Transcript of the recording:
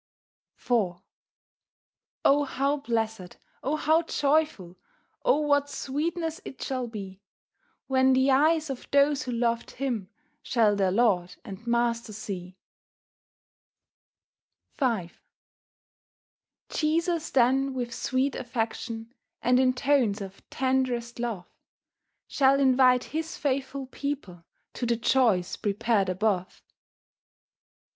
IV O how blessed! O how joyful! O what sweetness it shall be! When the eyes of those who loved Him Shall their Lord and Master see. V Jesus then with sweet affection, And in tones of tenderest love, Shall invite His faithful people To the joys prepared above.